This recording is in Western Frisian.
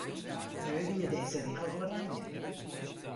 Kleurje dizze rigel oranje.